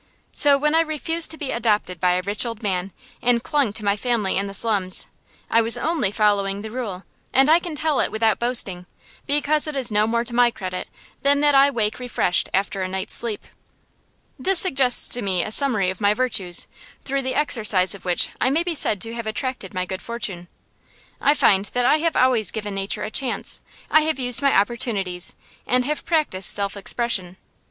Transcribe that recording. So when I refused to be adopted by a rich old man, and clung to my family in the slums, I was only following the rule; and I can tell it without boasting, because it is no more to my credit than that I wake refreshed after a night's sleep. This suggests to me a summary of my virtues, through the exercise of which I may be said to have attracted my good fortune. I find that I have always given nature a chance, I have used my opportunities, and have practised self expression.